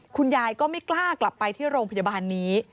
คุณยายก็ไม่กล้ากลับไปที่โรงพยาบาลนี้